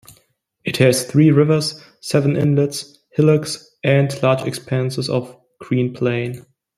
It has three rivers, seven inlets, hillocks and large expanses of green plain.